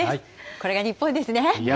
これが日本ですね。